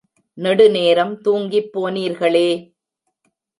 நெடுநேரம் தூங்கிப் போனீர்களே!